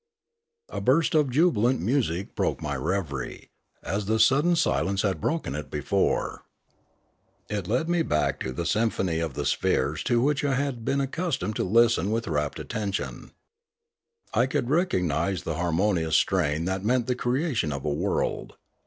A burst of jubilant music broke my reverie, as the sudden silence had broken it before. It led me back 376 Limanora to the symphony of the spheres to which I had been ac customed to listen with rapt attention. I could recog nise the harmonious strain that meant the creation of a world.